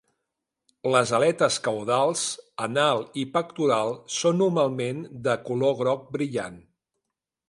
Les aletes caudals, anal i pectoral són normalment de color groc brillant.